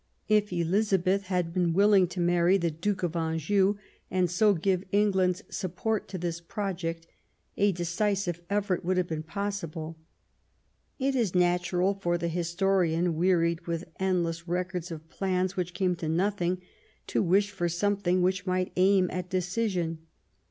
If Elizabeth had been willing to marry the Duke of Anjou and so give England's support to this project, a decisive effort would have been possible. It is natural for the historian, wearied with the end less records of plans which came to nothing, to wish for something which might aim at decision.